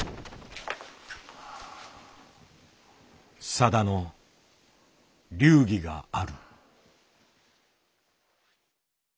さだの流儀がある。